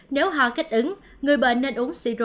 nếu ho kích ứng người bệnh nên uống siro ho